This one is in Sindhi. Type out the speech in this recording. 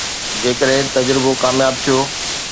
جيڪڏهن تجربو ڪامياب ٿيو